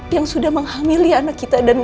yang sudah menghamili anak kita dan